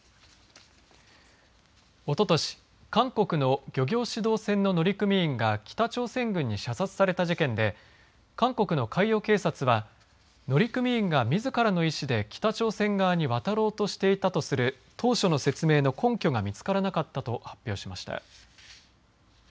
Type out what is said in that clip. おととし、韓国の漁業指導船の乗組員が北朝鮮軍に射殺された事件で韓国の海洋警察は乗組員が、みずからの意思で北朝鮮側に渡ろうとしていたとする当初の説明の根拠が見つからなかったと発表しました。